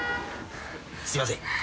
すいません。